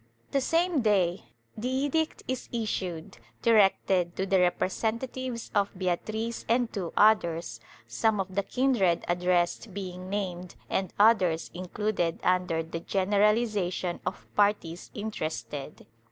The same day the edict is issued, directed to the representatives of Beatris and two others, some of the kindred addressed being named and others included under the generalization of parties interested.